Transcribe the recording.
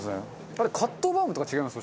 あれカットバウムとか違います？